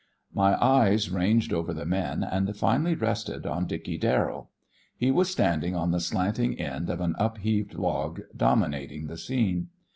My eye ranged over the men, and finally rested on Dickey Darrell. He was standing on the slanting end of an upheaved log dominating the scene.